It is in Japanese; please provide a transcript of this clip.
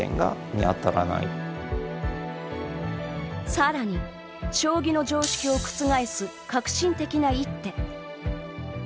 さらに、将棋の常識を覆す革新的な一手。